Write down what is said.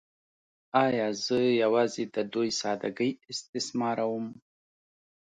“ایا زه یوازې د دوی ساده ګۍ استثماروم؟